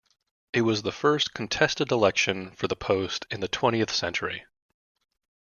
It was the first contested election for the post in the twentieth century.